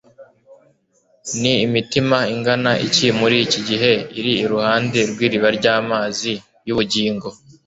Ni imitima ingana iki muri iki gihe iri iruhande rw'iriba ry'amazi y'ubugingo